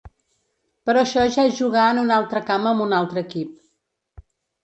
Però això ja és jugar en un altre camp amb un altre equip.